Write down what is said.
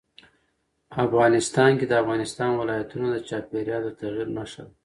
افغانستان کې د افغانستان ولايتونه د چاپېریال د تغیر نښه ده.